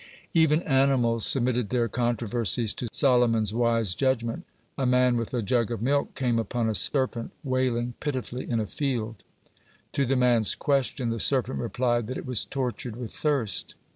(30) Even animals submitted their controversies to Solomon's wise judgment. A man with a jug of milk came upon a serpent wailing pitifully in a field. To the man's question, the serpent replied that it was tortured with thirst.